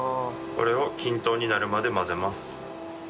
これを均等になるまで混ぜます。